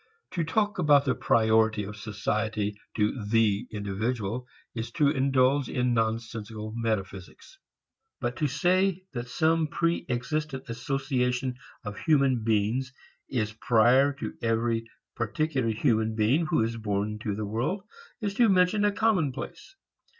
To talk about the priority of "society" to the individual is to indulge in nonsensical metaphysics. But to say that some pre existent association of human beings is prior to every particular human being who is born into the world is to mention a commonplace.